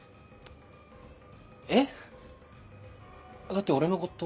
え⁉だって俺のこと。